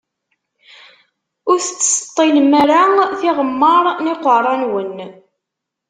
Ur tettseṭṭilem ara tiɣemmaṛ n iqeṛṛa-nwen.